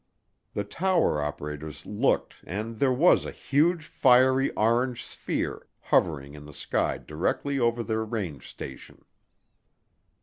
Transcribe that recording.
The tower operators looked and there was a "huge fiery orange sphere" hovering in the sky directly over their range station.